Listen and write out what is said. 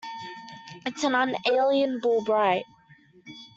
It's an unalienable right.